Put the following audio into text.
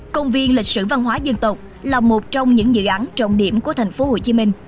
công viên lịch sử văn hóa dân tộc là một trong những dự án trọng điểm của thành phố hồ chí minh